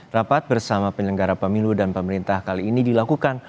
rapat bersama penyelenggara pemilu dan pemerintah kali ini dilakukan